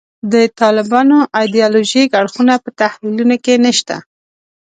د طالبانو ایدیالوژیک اړخونه په تحلیلونو کې نشته.